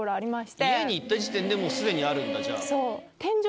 家に行った時点でもうすでにあるんだじゃあ。